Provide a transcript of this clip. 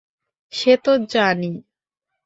সে তো জানি।